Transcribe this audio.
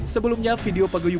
sebelumnya video pegawai